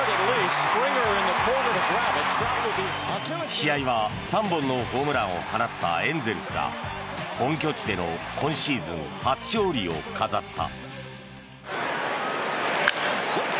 試合は３本のホームランを放ったエンゼルスが本拠地での今シーズン初勝利を飾った。